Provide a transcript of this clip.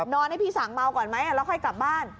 ให้พี่สั่งเมาก่อนไหมแล้วค่อยกลับบ้าน